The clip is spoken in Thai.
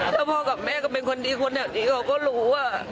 ถ้าพ่อแม่ฟังเป็นคนดีคนอย่างนี้เขาก็รู้